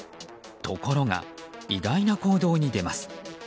ところが、意外な行動に出ます。